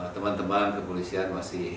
teman teman kepolisian masih